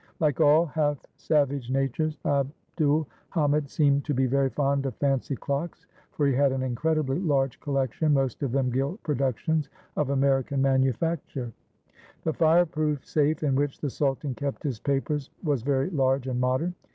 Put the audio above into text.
Like all half savage natures, Abd ul Hamid seemed to be very fond of fancy clocks, for he had an incredibly large collection, most of them gilt productions of Amer ican manufacture. 536 THE HOUSE OF FEAR The fireproof safe in which the sultan kept his papers was very large and modern.